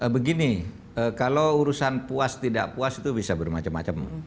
begini kalau urusan puas tidak puas itu bisa bermacam macam